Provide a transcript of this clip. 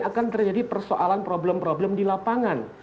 akan terjadi persoalan problem problem di lapangan